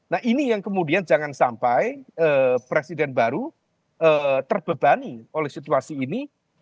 nah ini yang kemudian jangan sampai presiden baru terbebani oleh situasi ini